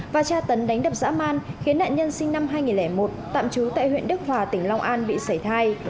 và tra tấn đánh đập dã man khiến nạn nhân sinh năm hai nghìn một tạm trú tại huyện đức hòa tỉnh long an bị xảy thai